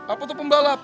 apa tuh pembalap